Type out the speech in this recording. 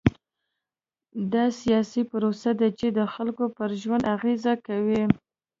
دا سیاسي پروسې دي چې د خلکو پر ژوند اغېز کوي.